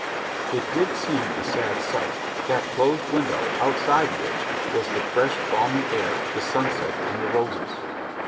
It did seem a sad sight that closed window, outside which was the fresh, balmy air, the sunset, and the roses.